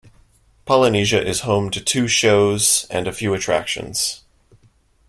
Polynesia is home to two shows and a few attractions.